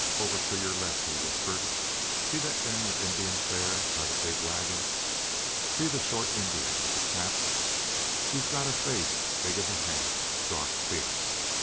Over to your left!" he whispered. "See that gang of Indians there by the big wagon. See the short Indian with the chaps. He's got a face big as a ham, dark, fierce.